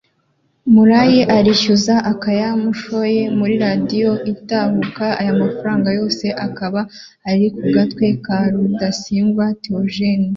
Murayi arishyuza akaya yashoye muri Radio Itahuka aya mafaranga yose akaba ari ku gatwe ka Rudasingwa Theogene